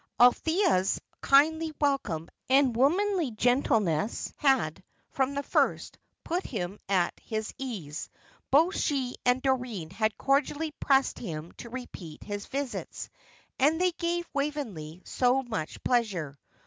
Althea's kindly welcome and womanly gentleness had, from the first, put him at his ease. Both she and Doreen had cordially pressed him to repeat his visits, as they gave Waveney so much pleasure.